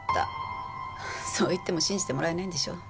そう言っても信じてもらえないんでしょ？